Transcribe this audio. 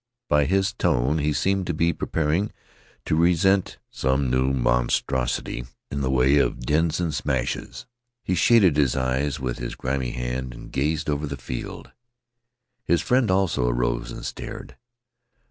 By his tone he seemed to be preparing to resent some new monstrosity in the way of dins and smashes. He shaded his eyes with his grimy hand and gazed over the field. His friend also arose and stared.